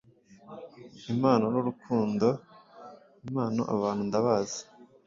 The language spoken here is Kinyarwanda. Impano nurukundo-impano Aba bantu ndabazi